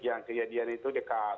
yang ke yadian itu dekat